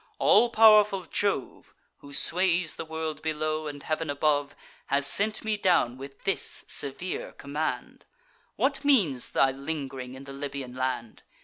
All pow'rful Jove, Who sways the world below and heav'n above, Has sent me down with this severe command: What means thy ling'ring in the Libyan land?